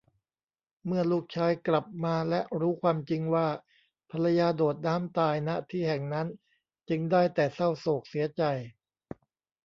เมื่อลูกชายกลับมาและรู้ความจริงว่าภรรยาโดดน้ำตาย ณ ที่แห่งนั้นจึงได้แต่ เศร้าโศกเสียใจ